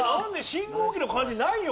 信号機の感じないよ